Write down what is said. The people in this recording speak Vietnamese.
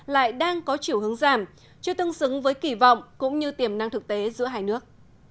lại đang có chiều hướng giảm chưa tương xứng với kỳ vọng cũng như tiềm năng thực tế giữa hai nước